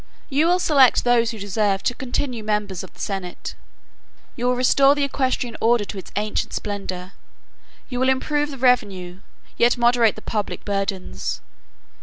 You will select those who deserve to continue members of the senate; you will restore the equestrian order to its ancient splendor; you will improve the revenue, yet moderate the public burdens.